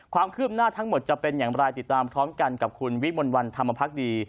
ความคืบหน้าทั้งหมดจะเป็นอย่างไรติดตามพร้อมกันกับคุณวิมลวันธรรมพักดี